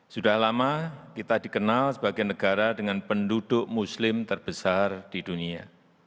sudah lama kita dikenal sebagai negara dengan penduduk muslim terbesar di dunia